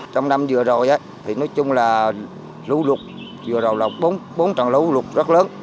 trong năm vừa rồi thì nói chung là lũ lụt vừa rồi là bốn trận lũ lụt rất lớn